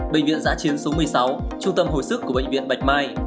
bệnh viện giã chiến số một mươi sáu trung tâm hồi sức của bệnh viện bạch mai